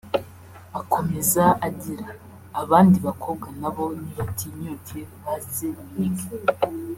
Akomeza agira “Abandi bakobwa na bo nibatinyuke baze bige